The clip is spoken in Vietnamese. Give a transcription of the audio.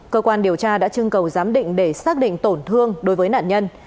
cơ quan điều tra đã trưng cầu giám định để xác định tổn thương đối với nạn nhân